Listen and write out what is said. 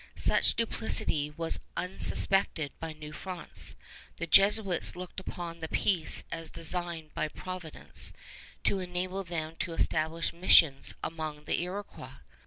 Such duplicity was unsuspected by New France. The Jesuits looked upon the peace as designed by Providence to enable them to establish missions among the Iroquois.